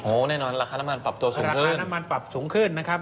แน่นอนราคาน้ำมันปรับตัวขึ้นราคาน้ำมันปรับสูงขึ้นนะครับ